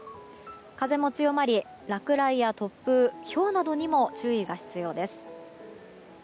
風も強まり、落雷や突風ひょうなどにも注意が必要です。